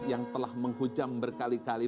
yang telah menghujam berkali kali